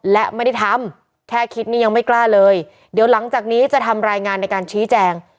และไม่ได้ทำแค่คิดนี้ยังไม่กล้าเลยเดี๋ยวหลังจากนี้จะทำรายงานในการชี้แจง